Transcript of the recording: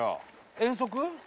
遠足？